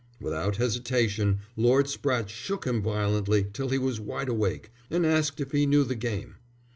Without hesitation Lord Spratte shook him violently till he was wide awake, and asked if he knew the game.